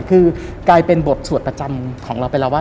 คือกลายเป็นบทสวดประจำของเราไปแล้วว่า